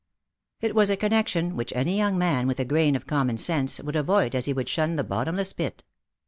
It was a connection which any young man with a grain of common sense would avoid as he would shun the bottomless pit.